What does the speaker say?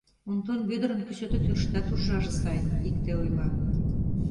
— Онтон Вӧдырын кӱсото тӱрыштат уржаже сай, — икте ойла.